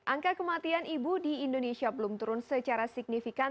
angka kematian ibu di indonesia belum turun secara signifikan